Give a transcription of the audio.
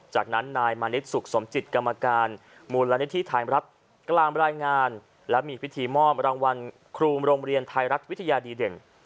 จากนั้นนายมานิดสุขสมจิตกรรมการมูลนิธิไทยรัฐกลางรายงานและมีพิธีมอบรางวัลครูโรงเรียนไทยรัฐวิทยาดีเด่น